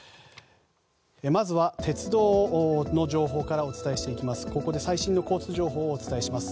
まずは鉄道の情報からお伝えしていきます。